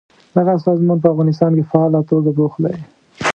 دغه سازمان په افغانستان کې فعاله توګه بوخت دی.